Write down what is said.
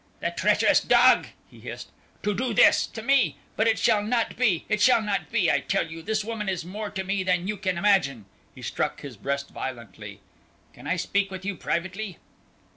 "The treacherous dog!" he hissed, "to do this to me. But it shall not be, it shall not be, I tell you; this woman is more to me than you can imagine." He struck his breast violently. "Can I speak with you privately?"